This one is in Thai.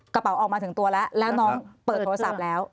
กระเป๋าออกมาถึงตัวแล้วแล้วน้องเปิดโทรศัพท์แล้ว